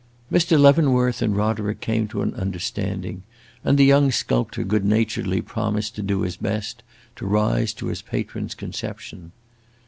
Mr. Leavenworth and Roderick came to an understanding, and the young sculptor good naturedly promised to do his best to rise to his patron's conception.